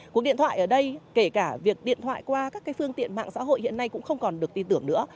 cuộc điện thoại ở đây kể cả việc điện thoại qua các phương tiện mạng xã hội hiện nay cũng không còn được tin tưởng nữa